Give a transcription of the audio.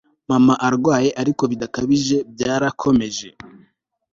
mama arwaye ariko bidakabije byarakomeje